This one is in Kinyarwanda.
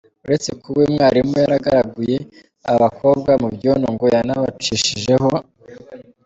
Uretse kuba uyu mwarimu yaragaraguye aba bakobwa mu byondo ngo yanabacishijeho.